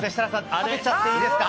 食べちゃっていいですか。